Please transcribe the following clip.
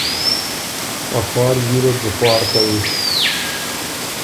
”ا خوار حیله ت بُو خوار کوی“